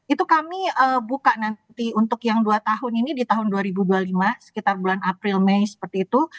itu kami buka nanti untuk yang dua tahun ini di tahun dua ribu dua puluh lima sekitar bulan april mei seperti itu